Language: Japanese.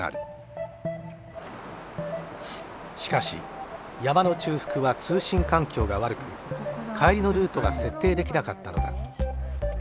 しかし山の中腹は通信環境が悪く帰りのルートが設定できなかったのだ。